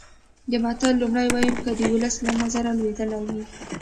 د متل لومړی ویونکی د ولس له نظره لوېدلی وي